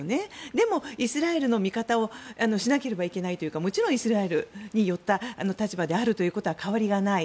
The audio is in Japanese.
でも、イスラエルの味方をしなければいけないというかもちろんイスラエルに寄った立場であるということには変わりがない。